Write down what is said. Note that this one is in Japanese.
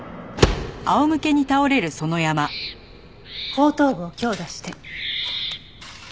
後頭部を強打して。